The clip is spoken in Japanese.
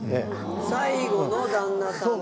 最後の旦那さんですね。